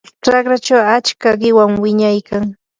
raqrachaw achka qiwan wiñaykan.